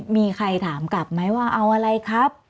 มีใครถามกลับไหมว่าเอาอะไรครับ